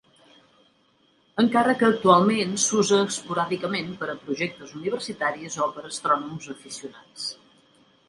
Encara que actualment s'usa esporàdicament per a projectes universitaris o per astrònoms aficionats.